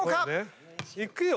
いくよ。